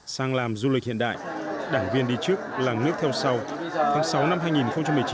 sang làm du lịch hiện đại đảng viên đi trước làng nước theo sau tháng sáu năm hai nghìn một mươi chín